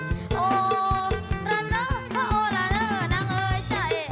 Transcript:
ม่อแขนก็ลืมเจ้าเลย